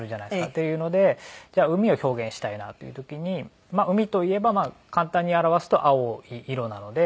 っていうのでじゃあ海を表現したいなっていう時に海といえば簡単に表すと青い色なので。